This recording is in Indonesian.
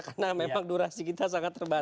karena memang durasi kita sangat terbatas